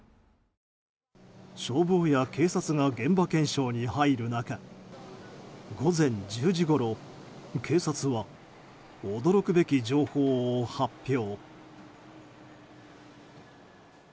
消防や警察が現場検証に入る中午前１０時ごろ警察は驚くべき情報を発表。